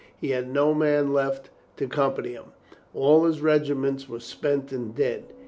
He had no man left to company him. All his regiment were spent and dead.